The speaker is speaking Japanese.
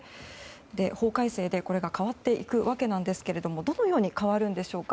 法改正でこれが変わっていくわけですがどのように変わるんでしょうか。